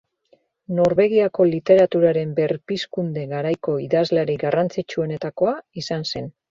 Norvegiako literaturaren berpizkunde-garaiko idazlerik garrantzitsuenetakoa izan zen.